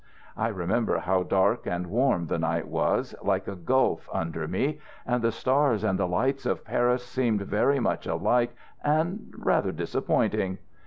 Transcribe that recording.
I remember how dark and warm the night was, like a gulf under me, and the stars and the lights of Paris seemed very much alike and rather disappointing.